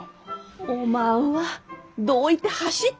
おまんはどういて走ったが！